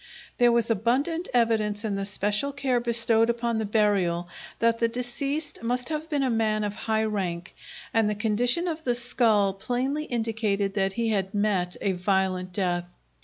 There was abundant evidence in the special care bestowed upon the burial that the deceased must have been a man of high rank, and the condition of the skull plainly indicated that he had met a violent death.